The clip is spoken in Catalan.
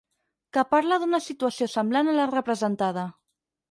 Que parla d'una situació semblant a la representada.